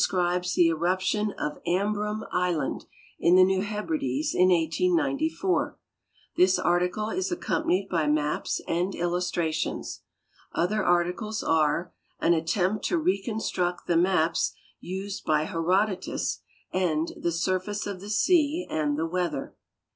'cribes the Eruption of Ambrym Island in the New Hebrides in 18!)4. This article is accompanied by maps and illustrations. Other articles are "An At tempt to Reconstruct the Maps Used by Herodotus" and "The Surface of the Sea and the Weather."